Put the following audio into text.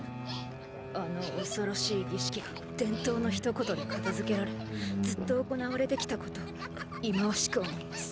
あの恐ろしい儀式が「伝統」の一言で片付けられずっと行われてきたことを忌まわしく思います。